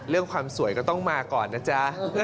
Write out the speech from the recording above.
เรื่องความสวยก็ต้องมาก่อนนะจ๊ะ